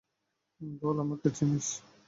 বল আমাকে চিনিস।